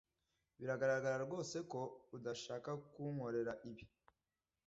biragaragara rwose ko udashaka kunkorera ibi